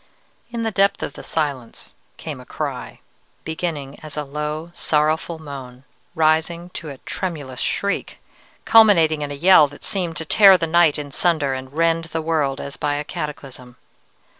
"In the depth of the silence came a cry, beginning as a low, sorrowful moan, rising to a tremulous shriek, culminating in a yell that seemed to tear the night in sunder and rend the world as by a cataclysm.